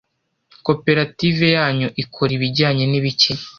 koperative yanyu ikora ibijyanye nibiki